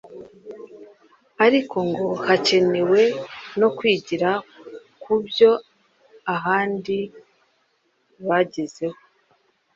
ariko ngo hakenewe no kwigira kubyo ahandi bagezeho